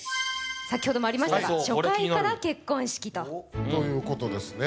先ほどもありましたが初回から結婚式とということですね